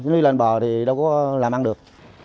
nếu đi lên bờ thì đâu có làm ăn được